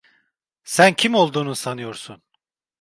Sen kim olduğunu sanıyorsun?